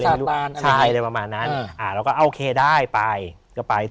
พูดภาษาอะไร